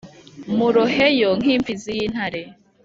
Muroheyeho nk’imfizi y’intare